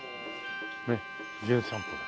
ねっ『じゅん散歩』で。